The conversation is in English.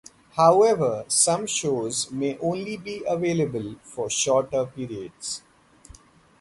However, some shows may only be available for shorter periods.